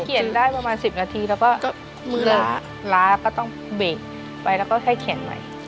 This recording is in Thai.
เมื่อกว่าเขียนได้ประมาณ๑๐นาทีแล้วก็มือล้าร้าก็ต้องเบรคไปแล้วก็ให้เขียนใหม่